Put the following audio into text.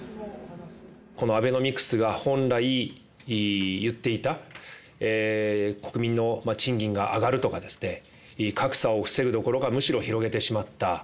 このアベノミクスが本来言っていた国民の賃金が上がるとか、格差を防ぐどころか、むしろ広げてしまった。